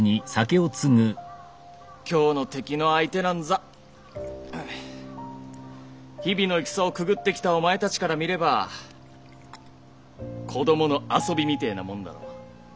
今日の敵の相手なんざ日々の戦をくぐってきたお前たちから見れば子供の遊びみてえなもんだろ。